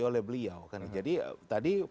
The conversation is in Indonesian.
oleh beliau jadi tadi